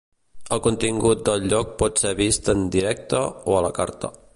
El contingut del lloc pot ser vist en directe o a la carta.